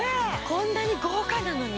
こんなに豪華なのに？